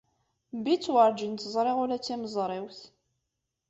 Bitt werǧin tt-ẓriɣ ula d timeẓriwt.